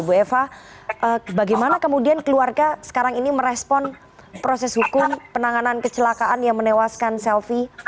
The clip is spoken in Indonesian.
bu eva bagaimana kemudian keluarga sekarang ini merespon proses hukum penanganan kecelakaan yang menewaskan selvi